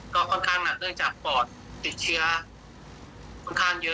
ก็ค่อนข้างหนักเนื่องจากปอดติดเชื้อค่อนข้างเยอะ